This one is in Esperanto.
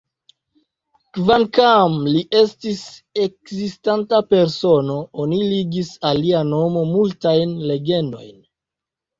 Kvankam li estis ekzistanta persono, oni ligis al lia nomo multajn legendojn.